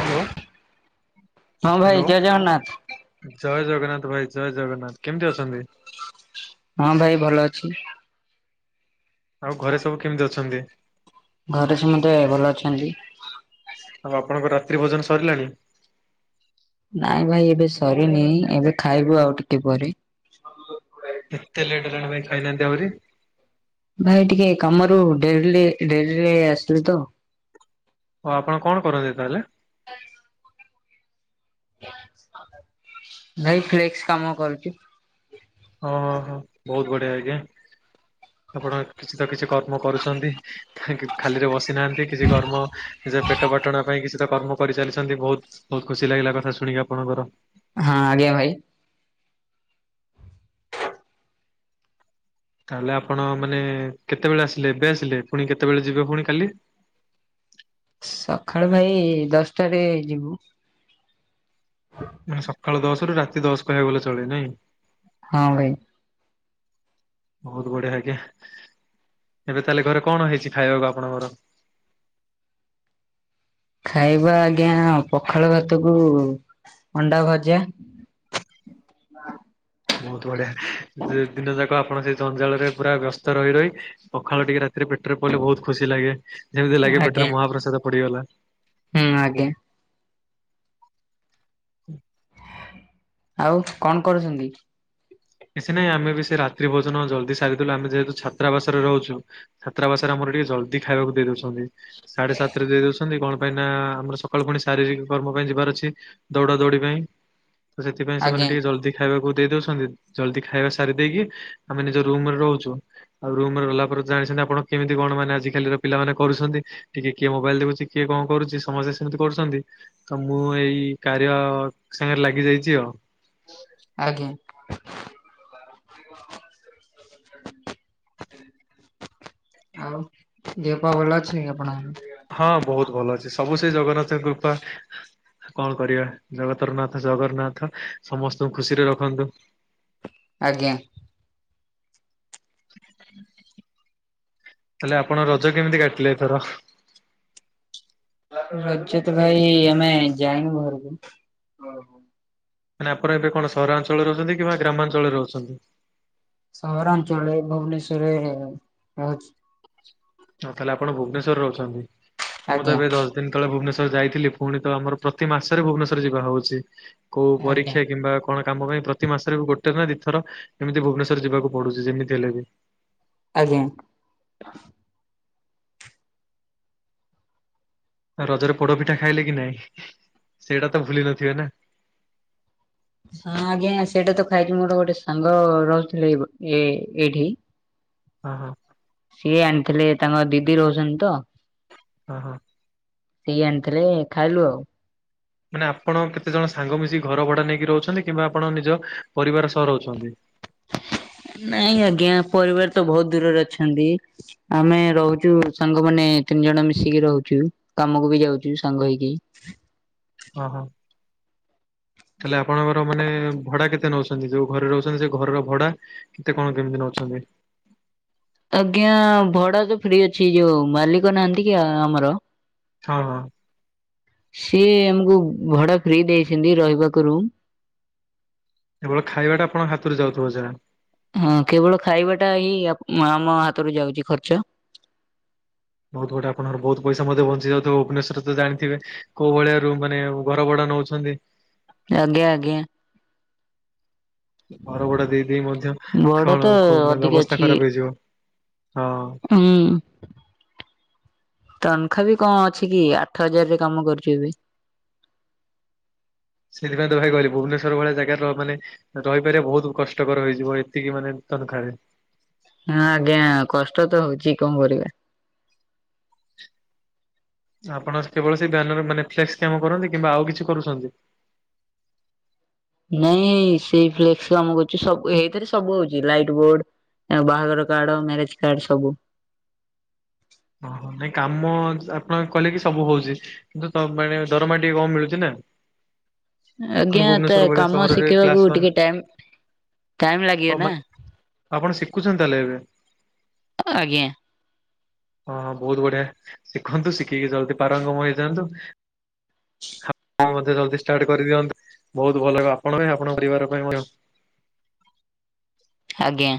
Hello ହଁ ଭାଇ ଜୟ ଜଗନ୍ନାଥ ହ୍ୟାଲୋ ଜୟ ଜଗନ୍ନାଥ ଭାଇ ଜୟ ଜଗନ୍ନାଥ କେମ୍ତି ଅଛନ୍ତି? ହଁ ଭାଇ ଭଲ ଅଛି। ଆଉ ଘରେ ସବୁ କେମିତି ଅଛନ୍ତି? ଘରେ ସମସ୍ତେ ଭଲ ଅଛନ୍ତି। ଆଉ ଆପଣଙ୍କ ରାତି ଭୋଜନ ସରିଲାଣି ନାଇଁ ଭାଇ ଏବେ ସରିନି ଏବେ ଖାଇବୁ ଆଉ ଟିକେ ପରେ [unintelligible] ଏତେ ଲେଟ୍ ହେଲାଣି ଭାଇ ଖାଇନାହାନ୍ତି ଆହୁରି! ଭାଇ ଟିକେ କାମରୁ ଡେରଲି ଡେରଲି ଆସିଲୁ ତ! ହଁ ଆପଣ କଣ କରନ୍ତି ତାହେଲେ। [unintelligible] ଭାଇ ଫ୍ଲେକ୍ସ କାମ କରୁଛି। ଓହୋ ଓହୋ ହଁ ବହୁତ ବଢ଼ିଆ ଆଜ୍ଞା! ଆପଣ କିଛି ତ କିଛି କର୍ମ କରୁଛନ୍ତି! ଥାଙ୍କୟୁ ଖାଲିରେ ବସିନାହାନ୍ତି କିଛି କର୍ମ ନିଜେ ପେଟ ବାଟଣା ପାଇଁ କିଛି ତ କର୍ମ। କରିଚାଲିଛନ୍ତି ବହୁତ୍ ବହୁତ୍ ଖୁସି ଲାଗିଲା କଥା ଶୁଣିକି ଆପଣଙ୍କର। ହଁ ଆଜ୍ଞା ଭାଇ! ତାହେଲେ ଆପଣ ମାନେ କେତେବେଳେ ଆସିଲେ ଏବେ ଆସିଲେ ପୁଣି କେତେବେଳେ ଯିବେ ପୁଣି କାଲି ସଖାଳେ ଭାଇ ଦଶଟାରେ ଯିବୁ? [inaudible] ମାନ ସଖାଳୁ ଦଶ ରୁ ରାତି ଦଶ କହିବାକୁ ଗଲେ ଚଳେ ନାଇଁ! ହଁ ବେଇନ୍। ବହୁତ୍ ବଢିଆ ଆଜ୍ଞା ଏବେ ତାହେଲେ ଘରେ କଣ ହେଇଛି ଖାଇବାକୁ ଆପଣଙ୍କର? ଖାଇବା ଆଜ୍ଞା ପଖାଳ ଭାତ କୁ ଅଣ୍ଡା ଭଜା‌। ବହୁତ୍ ବଢିଆ ଦିନ ଯାକ ଆପଣ ସେଇ ଜଞ୍ଜାଳ ରେ ପୁରା ବ୍ୟସ୍ତ ରହି ରହି। ପଖାଳ ଟିକେ ରାତିରେ ପେଟରେ ପଡ଼ିଲେ ବହୁତ୍ ଖୁସି ଲାଗେ ଯେମିତି ଲାଗେ ଆଜ୍ଞା ପେଟରେ ମହାପ୍ରସାଦ ପଡିଗଲା! ହୁଁ ଆଜ୍ଞା! ହୁଁ ଆଉ କଣ କରୁଛନ୍ତି? କିଛି ନାଇଁ ଆମେ ବି ସେ ରାତିରେ ଭୋଜନ ଜଲ୍ଦି ସାରିଥିଲୁ ଆମେ ଯେହେତୁ ଛାତ୍ରାବାସରେ ରହୁଚୁ ଛାତ୍ରାବାସରେ ଆମର ଟିକେ ଜଲଦି ଖାଇବାକୁ ଦେଇ ଦଉଛନ୍ତି ସାଢେ ସାତରେ ଦେଇ ଦଉଛନ୍ତି କଣ ପାଇଁ ନାଁ ଆମର ସକାଳୁ ପୁଣି ଶାରୀରିକ କର୍ମ ପାଇଁ ଯିବାର ଅଛି ଦୌଡା ଦୌଡି ପାଇଁ ତ ସେଥିପାଇଁ ସେମାନେ ଆଜ୍ଞା ଟିକେ ଜଲଦି ଖାଇବାକୁ ଦେଇ ଦଉଛନ୍ତି। ଜଲଦି ଖାଇବା ସାରି ଦେଇକି ଆମେ ନିଜ ରୁମରେ ରହୁଚୁ ଆଉ ରୁମ୍ ରେ ରହିଲା ପରେ ଜାଣିଛନ୍ତି ଆପଣ କେମିତି କଣ ମାନେ ଆଜିକାଲି ର ପିଲାମାନେ କରୁଛନ୍ତି। ଟିକେ କିଏ ମୋବାଇଲ ଦେଖୁଛି କିଏ କଣ କରୁଚି ସମସ୍ତେ ସେମିତି କରୁଛନ୍ତି। ତ ମୁଁ ଏଇ କାରିଆ ସାଙ୍ଗରେ ଲାଗି ଯାଇଛି ଆଉ। ଆଜ୍ଞା ଆଉ ଦେହ ପା ଭଲଅଛି ଆପଣଙ୍କର। ହଁ ବହୁତ ଭଲ ଅଛି ସବୁ ସେ ଜଗନ୍ନାଥଙ୍କ କୃପା। କଣ କରିବା ଜଗତର ନାଥ ଜଗନ୍ନାଥ ସମସ୍ତଙ୍କୁ ଖୁସିରେ ରଖନ୍ତୁ। ଆଜ୍ଞା! ତାହାଲେ ଆପଣ ରଜ କେମିତି କାଟିଲେ ଏଥର? ରଜ ତ ଭାଇ ଆମେ ଯାଇନୁବାହାରକୁ। ନା ଆପଣ ଏବେ କଣ ସହରାଞ୍ଚଳରେ ରହୁଛନ୍ତି କିମ୍ବା ଗ୍ରାମାଞ୍ଚଳରେ ରହୁଛନ୍ତି। ସହରାଞ୍ଚଳରେ ଭୁବନେଶ୍ଵରରେ ରହଉଚି। ହଁ ତାହେଲେ ଆପଣ ଭୁବନେଶ୍ୱରରେ ରହୁଛନ୍ତିମୁଁ ତ ଆଜ୍ଞା ଏବେ ଦଶ, ତିନି ଦିନି ତ ଳେ ଭୁବନେଶ୍ଵର ଯାଇଥିଲି ପୁଣି ତ ଆମର ପ୍ରତି ମାସ ରେ ଭୁବନେଶ୍ୱର ଯିବାର ହଉଛି। କଉ ଆଜ୍ଞା ପରୀକ୍ଷା କିମ୍ବା, କଣ କାମ ପାଇଁ ପ୍ରତି ମାସରେ ବି ଗୋଟେ ନା ଦିଥର ଏମିତି ଭୁବନେଶ୍ଵର ଯିବାକୁ ପଡୁଛି ଯେମିତି ହେଲେ ବି। ଆଜ୍ଞା। ରଜରେ ପୋଡପିଠା ଖାଇଲେ କି ନାଇଁ ସେଇଟା ତ ଭୁଲି ନଥିବେ ନା! ହଁ ଆଜ୍ଞା ସେଇଟା ତ ଖାଇଛି ମୋର ଗୋଟେ ସାଙ୍ଗ ରହୁଥିଲେ ଏ ଏଇଠି, ଅ ହଃ ସିଏ ଆଣିଥିଲେ ତାଙ୍କ ଦିଦି ରହୁଛନ୍ତି ତ! ଅହଃ ସେଇି ଆଣିଥିଲେ ଖାଇଲୁ ଆଉ। ମାନେ ଆପଣ କେତେଜଣ ସାଙ୍ଗ ମିଶିକି ଘର ଭଡା ନେଇକି ରହୁଛନ୍ତି କିମ୍ବା ଆପଣ ନିଜ ପରିବାର ସହ ରହୁଛନ୍ତି? ନାଇଁ ଆଜ୍ଞା ପରିବାର ତ ବହୁତ ଦୂରରେ ଅଛନ୍ତି! ଆମେ ରହୁଛୁ ସାଙ୍ଗମାନେ ତିନି ଜଣ ମିଶିକି ରହୁଛୁ। କାମକୁ ବି ଯାଉଛୁ ସାଙ୍ଗ ହେଇକି। ଅହଃ ହେଲେଆପଣଙ୍କର ମାନେ ଭଡା କେତେ ନଉଛନ୍ତି ଯୋଉ ଘରେ ରହୁଛନ୍ତି ସେ ଘରର ଭଡା? କେତେ କଣ କେମିତି ନଉଛନ୍ତି? ଆଜ୍ଞା ଭଡା ତ ଫ୍ରି ଅଛି ଯୋଉ ମାଲିକ ନାହାନ୍ତି କି ଆମର, ଛହ ସିଏ ଆମକୁ ଭଡା ଫ୍ରି ଦେଇଛନ୍ତି ରହିବାକୁ ରୁମ। କେବଳ ଖାଇବାଟା ଆପଣ ହାତରୁ ଯାଉଥିବ ଯା, ହଁ କେବଳ ଖାଇବାଟା ହିଁ ଆମ ହାତରୁ ଯାଉଛି ଖର୍ଚ୍ଚ। ବହୁତ ଗୋଟେ ଆପଣଙ୍କ ବହୁତ ପଇସା ମଧ୍ୟ ବଞ୍ଚି ଯାଉଥିବ ଭୁବନେଶ୍ୱରରେ ଜାଣିଥିବେ। କୋଉ ଭଳିଆ ରୁମ ମାନେ ଘର ଭଡା ନଉଛନ୍ତି। ଆଜ୍ଞା ଆଜ୍ଞା। ଘର ଭଡ଼ା ଦେଇ ଦେଇେମଧ୍ୟ ଭଡା କଣ ତ ମାନେ ଅଧିକ ଅବସ୍ଥା ଅଛି। ଖରାପ ହେଇଯିବ ହଁ। ହୁଁ ତନଖା ବି କଣ ଅଛି କି ଆଠ ହଜାରରେ କାମ କରୁଛୁ ଏବେ। ସେଥିପାଇଁ ତ ଭାଇ କହିଲି ଭୁବନେଶ୍ୱର ଭଳିଆ ଜାଗାରେ ର ମାନେ, ରହିପାରିବା ବହୁତ କଷ୍ଟକର ହେଇଯିବ ଏତିକି ମାନେ ତନଖାରେ। ହଁ ଆଜ୍ଞା କଷ୍ଟ ତ ହଉଚି କଣ କରିବା। ଆପଣ କେବଳସେଇ ବ୍ୟାନର ମାନେ ଫ୍ଲେକ୍ସ କାମ କରନ୍ତି କିମ୍ବା ଆଉ କିଛି କରୁଛନ୍ତି? ନାଇଁ ସେଇ ଫ୍ଲେକ୍ସ କାମ କରୁଛି ସବୁ ଏଇଥିରେ ସବୁ ହଉଛି ଲାଇଟ ବୋର୍ଡ। ଆଉ ବାହାଘର କାର୍ଡ ମ୍ୟାରେଜ କାର୍ଡ ସବୁ। ଓହୋ ନାଇଁ କାମ ଆପଣ କଲେ କି ସବୁ ହଉଛି କିନ୍ତୁ ତ ମାନେ ଦରମା ଟିକେ କମ୍ ମିଳୁଛି ନା ପୁଣି ଆଜ୍ଞା ତା ଭୁବନେଶ୍ଵର ଭଳିଆ କାମ ସହରରେ ଶିଖିବାକୁ କ୍ଲାସ ୱାନ୍ ଟିକେ ଟାଇମ ଟାଇମ ଲାଗିବ ହଁ ନା ବା ଆପଣ ଶିଖୁଛନ୍ତି ତାହେଲେ ଏବେ ଆଜ୍ଞା ହଁ ହଁ ବହୁତ ବଢିଆ ଶିଖନ୍ତୁ ଶିଖିକି ଜଲଦି ପାରଙ୍ଗମ ହେଇଯାଆନ୍ତୁ ଜଲଦି [unintelligible] ଷ୍ଟାର୍ଟ କରିଦିଅନ୍ତୁ ବହୁତ ଭଲ ଆପଣଙ୍କ ପାଇଁ ଆପଣଙ୍କ ପରିବାର ପାଇଁ ମଧ୍ୟ ଆଜ୍ଞା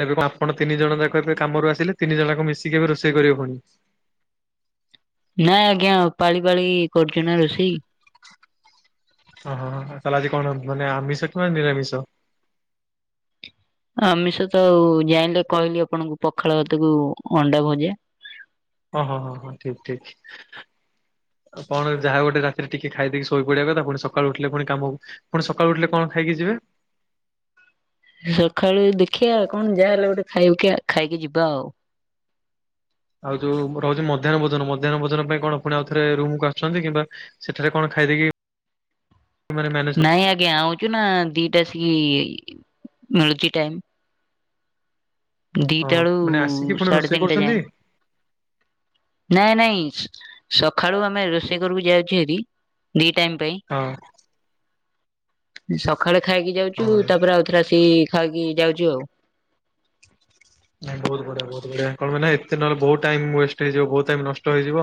ନେ ଆପଣ ତିନି ଜଣ ଯାକ କାମରୁ ଆସିଲେ, ତିନି ଜଣ ଯାକ ମିଶିକି ଏବେ ରୋଷେଇ କରିବାକୁପଡିବ। ନାଇଁ ଆଜ୍ଞା ପାଳି ପାଳି କରୁଛୁ ନା ରୋଷେଇ। ହଁ ହଁ ହଁ ତାହେଲେ ଆଜି କଣ ମାନେ ଆମିଷ କିମ୍ବା ନିରାମିଷ? ଆମିଷ ତ ଆଉ, ଜାଇଁଲେ କହିଲି ଆପଣଙ୍କୁ ପଖାଳ ଭାତକୁ ଅଣ୍ଡା ଭଜା। ହଁ ହଁ ହଁ ହଁ ଠିକ ଠିକ। କଣ ଯାହା ଗୋଟେ ରାତିରେ ଟିକେ ଖାଇଦେଇକି ଶୋଇ ପଡବା କଥା, ପୁଣି ସକାଳୁ ଉଠିଲେ ପୁଣି କାମ। ପୁଣି ସକାଳ ଉଠିଲ କଣ ଖାଇକି ଯିବେ? ସକାଳୁ ଦେଖିବା କଣ ଯାହାହେଲେ ଗୋଟେ ଖାଇକା ଖାଇକି ଯିବା ଆଉ ଆଉ ଯୋଉ ରହୁଛି ମ ଧ୍ୟାହ୍ନ ଭୋଜନ ମଧ୍ୟାହ୍ନ ଭୋଜନ ପାଇଁ କଣ ପୁଣି ଆଉଥରେ ରୁମକୁ ଆସୁଛନ୍ତି କିମ୍ବା ସେଠାରେ କଣ ଖାଇଦେଇକି ମାନେ ମ୍ୟାନେ ନାଇଁ ଆଜ୍ଞା ଆଉଛୁ ନା ଦିଟା ଆସିକି ମିଳୁଛି ଟାଇମ। ହଁ ଦିଟା ବେଳୁ ମାନେ ଆସିକି ପୁଣି ସାଢେ ରୋଷେଇ ତିନିଟା କରୁଛନ୍ତି ଯାଏଁ। ନାଇଁ ନାଇଁ ସକାଳୁ ଆମେ ରୋଷେଇ କାରକୁ ଯାଉଛୁ ଭାରି। ଦିଇ ଟାଇମ୍ ପାଇଁ। ହଁ ସକାଳେ ଖାଇକି ହଁ ଯାଉଛୁ ଭାଇ ତାପରେ, ଆଉଥରେ ଆସିକି ଖାଇକି ଯାଉଛୁ ଆଉ। ବହୁତ ବଢିଆ, ବହୁତ ବଢିଆ କଣ ମାନେ ଏତେ ନହଲେ ବହୁତ ଟାଇମ ୱେଷ୍ଟ ହେଇଯିବ,, ବହୁତ ଟାଇମ ନଷ୍ଟ ହେଇଯିବ।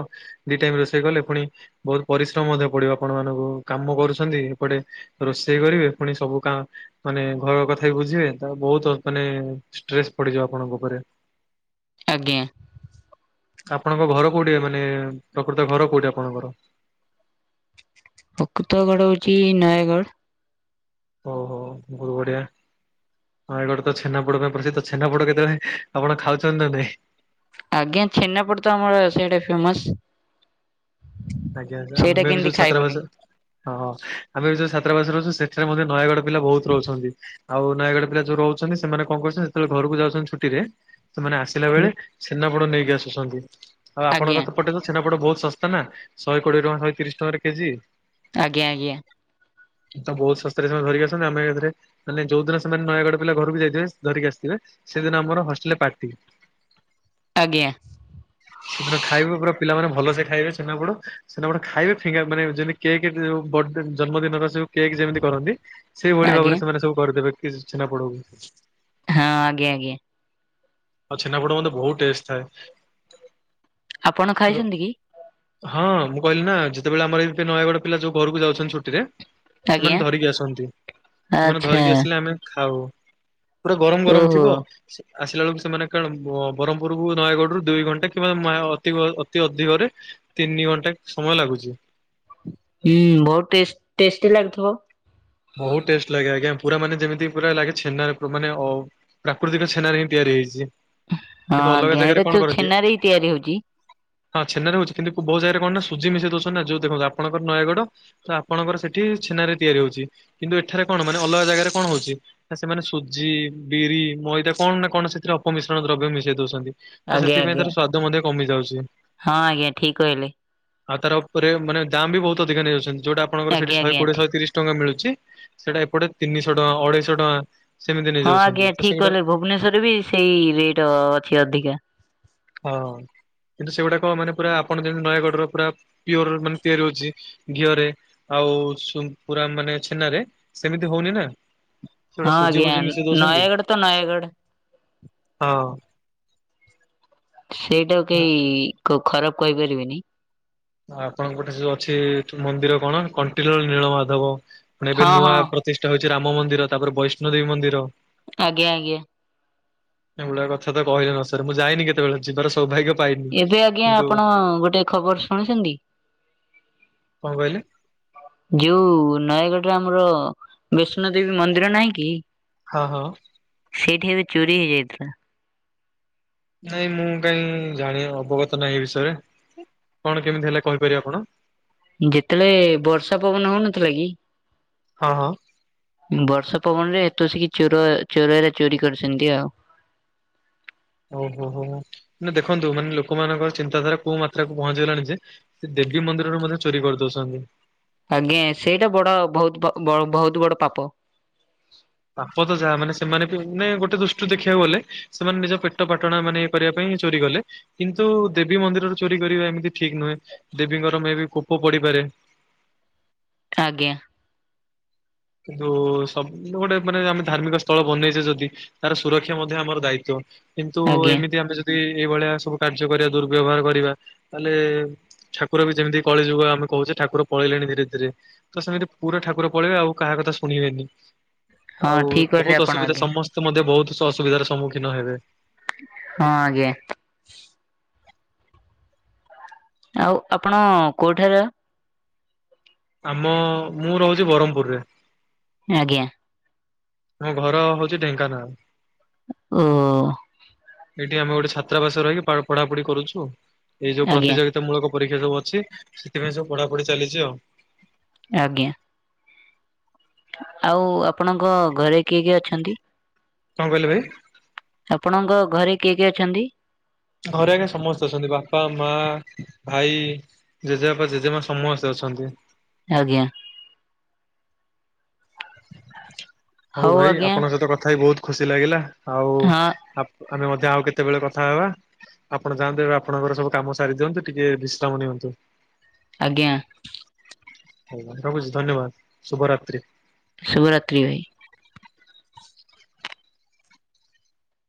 ଦି ଟାଇମ ରୋଷେଇ କଲେ ପୁଣି ବହୁତ ପରିଶ୍ରମ ମଧ୍ୟ ପଡିବ ଆପଣ ମାନଙ୍କୁ କାମ କରୁଛନ୍ତି ଏପଟେ ରୋଷେଇ କରିବେ ପୁଣି ସବୁ କା ମାନେ ଘର କଥା ବି ବୁଝିବେ ତା ବହୁତ ମାନେ ଷ୍ଟ୍ରେସ୍ ପଡିଯିବ ଆପ ଆପଣଙ୍କ ଉପରେ। ଆଜ୍ଞା ଆପଣଙ୍କ ଘର କୋଉଠି, ମାନେ ପ୍ରକୃତ ଘର କୋଉଠି ଆପଣଙ୍କର? ପ୍ରକୃତଗଡ଼ ହଉଛି ନୟାଗଡ଼। ଓହୋ ବହୁତ ବଢିଆ। ନୟାଗଡ ତ ଛେନାପୋଡ ପାଇଁ ପ୍ରସିଦ୍ଧ, ଛେନାପୋଡ କେତେବେଳେ ଆପଣ ଖାଉଛନ୍ତି ନା ନାଇଁ,? ଆଜ୍ଞା ଛେନାପଡ଼ ତ ଆମର ସେଇଟା ଫେମସ। ଆଜ୍ଞା ସେଇଟା ଆମେ ବି କେମିତି ଯୋଉ ଖାଇବୁନି ଛ୍ରାବାସ ହଁ ଆମେ ବି ଯୋଉ ଛ୍ରାବାସ ରହୁଛୁ ସେଥିରେ ମଧ୍ୟ ନୟାଗଡ ପିଲା ବହୁତ ରହୁଛନ୍ତି। ଆଉ ନୟାଗଡ ପିଲା ଯୋଉ ରହୁଛନ୍ତି ସେମାନେ କଣ କରୁଛନ୍ତି ଯେତେବେଳେ ଘରକୁ ଯାଉଛନ୍ତି ଛୁଟିରେ ସେମାନେ ଆସି ଆସିଲାବେଳେ ଛେନାପୋଡ ନେଇକି ଆସୁଛନ୍ତି ଆଉ ଆପଣଙ୍କ ଆଜ୍ଞା। ପଟେ ତ ଛେନାପୋଡ ବହୁତ ଶସ୍ତା ନା ଶହେ କୋଡିଏ ଟଙ୍କା ଶହେ ତିରିଶ ଟଙ୍କାରେ କେଜି। ଆଜ୍ଞା ଆଜ୍ଞା [inaudible] ତ ବହୁତ ଶସ୍ତାରେ ସେମାନେ ଧରିକି ଆସନ୍ତି ଆମେ ଏଥିରେ, ମାନେ ଯୋଉ ଦିନ ସେମାନେ ନୟାଗଡ଼ ପିଲା ଘରକୁ ଯାଇଥିବେ ଧରିକି ଆସିଥିବେ। ସେଦିନ ଆମର ହଷ୍ଟେଲରେ ପାର୍ଟି। ଆଜ୍ଞା। ସେଦିନ ଖାଇବେ ପୁରା ପିଲାମାନେ ଭଲସେ ଖାଇବେ ଛେନାପୋଡ। ସେଦିନ ଗୋଟେ ଖାଇବେ ଫିଙ୍ଗା ମାନେ ଯେମିତି କେକ୍ ବ ଜନ୍ମଦିନର ୟୋଉ କେକ୍ ଯେମିତି କରନ୍ତି। ଆଜ୍ଞା ସେଇଭଳି ଆଜ୍ଞା ଭାବରେ ସେମାନେ ସବୁ କରିଦେବେ କିସ୍ ଛେନା ପୋଡକୁ। ହଁ ଆଜ୍ଞା ଆଜ୍ଞା। ଆଉ ଛେନାପୋଡ ମତେ ବହୁତ୍ ଟେଷ୍ଟ ଥାଏ। ଆପଣ ଖାଇଛନ୍ତି କି? ହଁ ମୁଁ କହିଲି ନା ଯେତେବେଳେ ଆମର ଏମିତି ନୟାଗଡ ପିଲା ଯୋଉ ଘରକୁ ଯାଉଛନ୍ତି ଛୁଟିରେ ଆଜ୍ଞା ସେମାନେ ଧରିକି ଆସନ୍ତି। ସେମାନେ ଆଚ୍ଛା ଧରିକି ଆସିଲେ ଆମେ ଖାଉ। ପୁରା ଗରମ ଗରମ ଓହୋ ଥିବ। ଆସିଲା ବେଳକୁ ସେମାନେ କଣ ବ୍ରହ୍ମପୁର କୁ ନୟାଗଡରୁୁ ଦୁଇ ଘଣ୍ଟା କିମ୍ବା ମା ଅତି ଅତି ଅଧିକରେ ତିନି ଘଣ୍ଟା ସମୟ ଲାଗୁଚି। ହୁଁ ବହୁତ୍ ଟେଷ୍ଟ ଟେଷ୍ଟ ଲାଗୁଥିବ। ବହୁତ୍ ଟେଷ୍ଟ ଲାଗେ ଆଜ୍ଞା ପୁରା ମାନେ ଯେମିତି ପୁରା ଲାଗେ ଛେନାରେ ମାନେଅ- ପ୍ରାକୃତିକ ଛେନାରେ ହିଁ ତିଆରି ହେଇଚି। ହଁ ଆଜ୍ଞା ଏଇଟା ତୋ ଛେନାରେ ହିଁ ତିଆରି ହୋଉଚି। ହଁ ଛେନାରେ ହୋଉଛି କିନ୍ତୁ ବହୁ ଜାଗାରେ କଣ ନା ସୁଜି ମିଶେଇ ଦୋଉଚନ୍ତି ନା ଯୋଉ ଦେଖନ୍ତୁ ଆପଣଙ୍କର ନୟାଗଡ। ତ ଆପଣଙ୍କର ସେଠି ଛେନାରେ ତିଆରି ହୋଉଚି। କିନ୍ତୁ ଏଠାରେ କଣ ମାନେ ଅଲଗା ଜାଗାରେ କଣ ହୋଉଚି। ନା ସେମାନେ ସୁଜି ବିରି ମଇଦା କଣ ନା କଣ ସେଥିରେ ଅପମିଶ୍ରଣ ଦ୍ରବ୍ୟ ମିଶାଇ ଦୋଉଚନ୍ତି। ତ ଆଜ୍ଞା ସେଥିପାଇଁ ଆଜ୍ଞା ତାର ସ୍ଵାଦ ମଧ୍ୟ କମି ଯାଉଚି। ହଁ ଆଜ୍ଞା ଠିକ୍ କହିଲେ। ଆଉ ତାର ଉପରେ ମାନେ ଦାମ ବି ବହୁତ୍ ଅଧିକା ନେଇଯାଉଚନ୍ତି। ଯୋଉଟା ଆପଣଙ୍କର ସେଠି ଆଜ୍ଞା ଶହେ ଆଜ୍ଞା କୋଡିଏ ଶହେ ତିରିଶ ଟଙ୍କାରେ ମିଳେ। ଚି ସେଟା ଏପଟେ ତିନିଶହ ଟଙ୍କା ଅଢେଇଶହ ଟଙ୍କା। ସେମିତି ହଁ ନେଇଯାଉଛନ୍ତି ଆଜ୍ଞା ତ ଠିକ୍ ସେଗୁଡା କହିଲେ ଭୁବନେଶ୍ଵରରେ ବି ସେଇ ରେଟ୍ ଅଛି ଅଧିକା। ହଁ କିନ୍ତୁ ସେଗୁଡାକ ମାନେ ପୁରା ଆପଣ ଯେମିତି ନୟାଗଡ଼ର ପୁରା ପିଓରର ମାନେ ତିଆରି ହୋଉଚି ଘିଅରେ। ଆଉ ସୁମ୍ ପୁରା ମାନେ ଛେନା ରେ ସେମିତି ହୋଉନି ନା। ହଁ ସେଡା ସୁଜି ଆଜ୍ଞା ଫୁଜି ମିଶେଇ ଦୋଉଛନ୍ତି। ନୟାଗଡ ତ ନୟାଗଡ ହଁ ସେଇଟାକୁ କେହି ଖରାପ୍ କହିପାରିବେନି। ଆପଣଙ୍କ ପଟେ ଯୋଉ ଅଛି ମନ୍ଦିର କଣ କଣ୍ଟିଲୋ ନୀଳ ମାଧବ। ମାନେ ଏବେ ହଁ ହଁ ନୂଆପ୍ର ପ୍ରତିଷ୍ଟା ହୋଉଚି ରାମ ମନ୍ଦିର ତାପରେ ବୈଷ୍ଣୋଦେବୀ ମନ୍ଦିର। ଆଜ୍ଞା ଆଜ୍ଞା। ଏଇଭଳିଆ କଥା ତ କହିଲେ ନା ସରେ। ମୁଁ ଯାଇନି କେତେବେଳେ ଯିବାର ସୌଭାଗ୍ୟ ପାଇନି ଏବେ ଆଜ୍ଞା କିନ୍ତୁ ଆପଣ ଗୋଟେ ଖବର ଶୁଣିଛନ୍ତି? କଣ କହିଲେ? ଯୋଉ ନୟାଗଡରେ ଆମର ବିଷ୍ଣୁ ଦେବୀ ମନ୍ଦିର ନାହିଁ କି? ହଁ ହଁ ସେଇଠି ଏବେ ଚୋରି ହେଇଯାଇଥିଲା। ନାଇଁ ମୁଁ କାଇଁ ଜାଣି ଅବଗତ ନାହିଁ ଏ ବିଷୟରେ। କଣ କେମିତି ହେଲେ କହିପାରିବେ ଆପଣ? ଯେତେବେଳେ ବର୍ଷା ପବନ ହୋଉନଥିଲା କି? ହଁ ହଁ। ବର୍ଷା ପବନରେ ଏତୋ ଆସିକି ଚୋର ଚୋର ଏରା ଚୋରି କରିଚନ୍ତି ଆଉ। ଓ ହୋ ହୋ ହୋମାନେ ଦେଖନ୍ତୁ ମାନେ ଲୋକମାନଙ୍କ ଚିନ୍ତାଧାରା କୋଉ ମାତ୍ରାକୁ ପହଞ୍ଚିଗଲାଣି ଯେ ସେ ଦେବୀ ମନ୍ଦିରରୁ ମଧ୍ୟ ଚୋରି କରିଦୋଉଚନ୍ତି। ଆଜ୍ଞା ସେଇଟା ବଡ ବହୁତୁ ପ ବହୁତୁ ବଡ ପାପ। ପାପ ତ ଯାହା ମାନେ ସେମାନେ ବି ମାନେ ଗୋଟେ ଦୃଷ୍ଟିରୁ ଦେଖିବାକୁ ଗଲେ, ସେମାନେ ନିଜ ପେଟ ପାଟଣା ମାନେ କରିବା ପାଇଁ ଚୋରି କଲେ, କିନ୍ତୁ ଦେବୀ ମନ୍ଦିରର ଚୋରି କରିବା ଏମିତି ଠିକ୍ ନୁହେଁ ଦେବୀଙ୍କର ବି କୋପ ପଡ଼ିପାରେ, ଆଜ୍ଞା, କିନ୍ତୁ ସବୁ ଗୋଟେ ମାନେ ଆମେ ଧାର୍ମିକ ସ୍ଥଳ ବନେଇଛେ ଯଦି, ତାର ସୁରକ୍ଷା ମଧ୍ୟ ଆମର ଦାୟିତ୍ବ କିନ୍ତୁ ଆଜ୍ଞା ଏମିତି ଆମେ ଯ ଦି ଏଇଭଳିଆ ସବୁ କାର୍ଯ୍ୟ କରିବା ଦୁର୍ବ୍ୟବହାର କରିବା ତାହେଲେ, ଠାକୁର ବି ଯେମିତି କଳି ଯୁଗ ଆମେ କହୁଛେ ଠାକୁର ପଳେଇଲେଣି ଧୀରେ-ଧୀରେ ତ ସେମିତି ପୁରା ଠାକୁର ପଳେଇବେ ଆଉ, କାହା କଥା ଶୁଣିବେନି ହଁ ଆଉ ଠିକ କହିଲେ ବହୁତ୍-ବହତ୍ ଆପଣ ଅସୁବିଧା ଆଜ୍ଞା ସମସ୍ ସେ ମଧ୍ୟ ବହୁତ୍ ସ ଅସୁବିଧାର ସମ୍ମୁଖୀନ ହେବେ, ହଁ ଆଜ୍ଞା, ଆଉ ଆପଣ କୋଉଠାରେ, ଆମ ମୁଁ ରହୁଛି ବ୍ରହ୍ମପୁର ରେ, ଆଜ୍ଞା, ନାଇଁ ଘର ହଉଛି ଢେଙ୍କାନାଳ, ଉଁ ଙ, ଏଇଠି ଆମ ଗୋଟେ ଛାତ୍ରାବାସର ରହିକି ପାଢ଼ ପଢ଼ା ପଢ଼ି କରୁଛୁ ଏଇ ଯୋଉ ଆଜ୍ଞା ପ୍ରତିଯୋଗିତ ସେ ମୂଳକ ପରୀକ୍ଷା ସବୁ ଅଛି ସେଥିପାଇଁ ସବୁ ପଢ଼ାପଢ଼ି ଚାଲିଛି ଆଉ, ଆଜ୍ଞା, ଆଉ ଆପଣଙ୍କ ଘରେ କିଏ-କିଏ ଅଛନ୍ତି? କଁ କହିଲେ ଭାଇ? ଆପଣଙ୍କ ଘରେ କିଏ-କିଏ ଅଛନ୍ତି? ଘରେ ଆଜ୍ଞା ସମସ୍ତେ ଅଛନ୍ତି ବାପା, ମା, ଭାଇ, ଜେଜେବାପା, ଜେଜେମା ସମସ୍ତେ ଅଛନ୍ତି। ଆଜ୍ଞା, ହଉ ଭାଇ ଆପଣଙ୍କ ସହିତ କଥା ହେଇ ବହୁତ୍ ଖୁସି ଲାଗିଲା ଆଉ ହଁ ଆପ୍ ଆମେ ମଧ୍ୟେ ଆଉ କେତେବେଳେ କଥା ହେବା, ଆପଣ ଯାଆନ୍ତୁ ଏବେ ଆପଣଙ୍କର ସବୁ କାମ ସାରି ଦିଅନ୍ତୁ ଟିକେ ବିଶ୍ରାମ ନିଅନ୍ତୁ, ଆଜ୍ଞା, ହଉ ରହୁଛି ଧନ୍ୟବାଦ ଶୁଭରାତ୍ରି, ଶୁଭରାତ୍ରି ଭାଇ।